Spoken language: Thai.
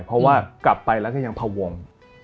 เพราะว่ากลับไปแล้วก็ยังพวง